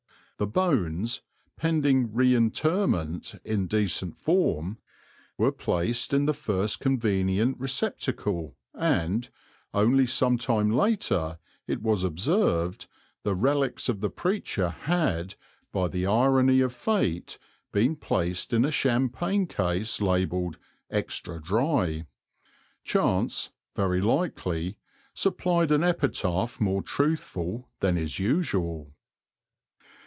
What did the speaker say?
The bones, pending reinterment in decent form, were placed in the first convenient receptacle and, only some time later was it observed, the relics of the preacher had, by the irony of fate, been placed in a champagne case labelled "extra dry." Chance, very likely, supplied an epitaph more truthful than is usual.